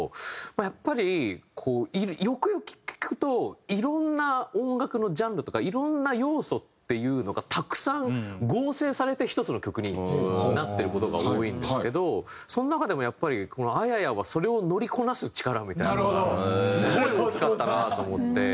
やっぱりこうよくよく聴くと色んな音楽のジャンルとか色んな要素っていうのがたくさん合成されて一つの曲になってる事が多いんですけどその中でもやっぱりあややはそれを乗りこなす力みたいなのがすごい大きかったなと思って。